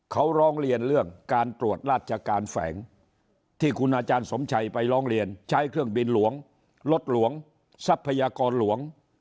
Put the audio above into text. เขาร้องเรียนเรื่องการตรวจราชการแฝงที่คุณอาจารย์สมชัยไปร้องเรียนใช้เครื่องบินหลวงรถหลวงทรัพยากรหลวง